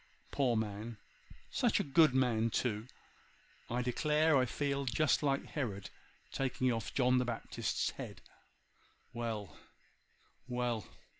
Poor man! such a good man too! I declare I feel just like Herod taking off John the Baptist's head. Well! well!